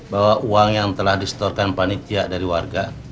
bahwa uang yang telah disetorkan panitia dari warga